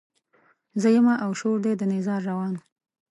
زه يمه او شور دی د نيزار روان